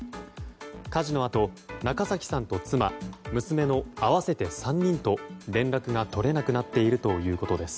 火事のあと中崎さんと妻、娘の合わせて３人と連絡が取れなくなっているということです。